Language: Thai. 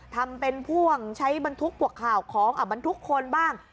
ทำเป็นพ่วงใช้บรรทุกปวกข่าวของบรรทุกคนบ้าง